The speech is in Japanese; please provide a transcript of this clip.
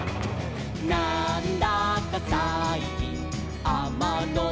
「なんだかさいきんあまのじゃく」